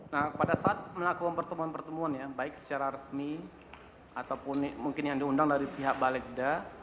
nah pada saat melakukan pertemuan pertemuan ya baik secara resmi ataupun mungkin yang diundang dari pihak balegda